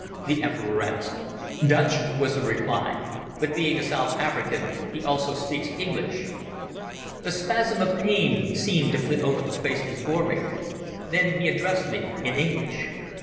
the Emperor asked. "Dutch," was the reply; "but being a South African he also speaks English." A spasm of pain seemed to flit over the face before me. Then he addressed me in English.